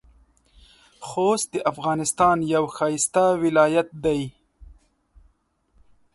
خوست د افغانستان یو ښایسته ولایت دی.